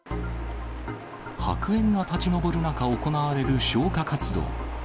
白煙が立ち上る中、行われる消火活動。